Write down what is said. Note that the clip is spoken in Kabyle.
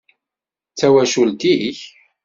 D tawacult-ik?